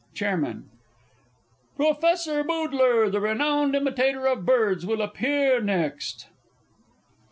_ CHAIRMAN. Professor Boodler, the renowned Imitator of Birds, will appear next!